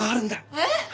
えっ？